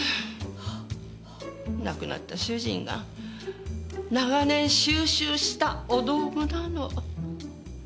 亡くなった主人が長年収集したお道具なの。